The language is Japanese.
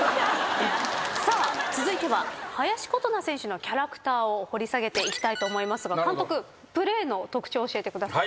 さあ続いては林琴奈選手のキャラクターを掘り下げていきたいと思いますが監督プレーの特徴を教えてください。